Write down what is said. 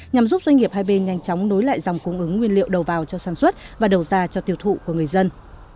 nhằm giúp doanh nghiệp hai bên nhanh chóng nối lại dòng cung ứng nguyên liệu đầu vào cho sản xuất và đầu ra cho tiêu thụ của người dân